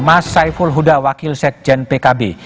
mas saiful huda wakil sekjen pkb